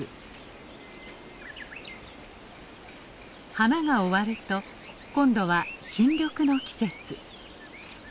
花が終わると今度は新緑の季節。